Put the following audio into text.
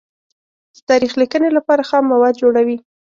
د تاریخ لیکنې لپاره خام مواد جوړوي.